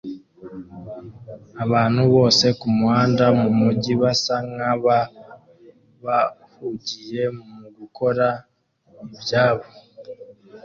Abantu bose kumuhanda mumujyi basa nkaba bahugiye mu gukora ibyabo